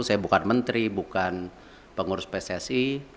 saya bukan menteri bukan pengurus pssi